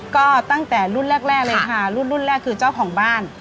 ก็ตั้งแต่รุ่นแรกเลยค่ะรุ่นรุ่นแรกคือเจ้าของบ้าน